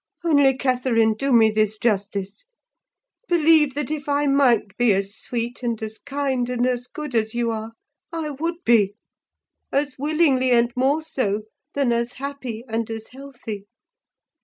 Only, Catherine, do me this justice: believe that if I might be as sweet, and as kind, and as good as you are, I would be; as willingly, and more so, than as happy and as healthy.